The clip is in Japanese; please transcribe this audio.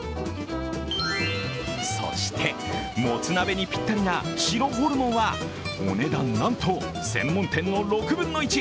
そして、もつ鍋にぴったりな白ホルモンはお値段、なんと専門店の６分の１。